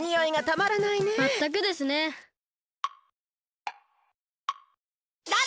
まったくですね。だれ！？